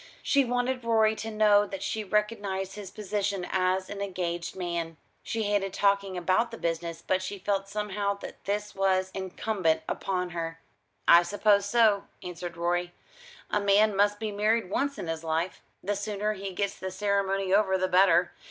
She wanted Rorie to know that she recognised his position as an engaged man. She hated talking about the business, but she felt somehow that this was incumbent upon her. "I suppose so," answered Rorie; "a man must be married once in his life. The sooner he gets the ceremony over the better.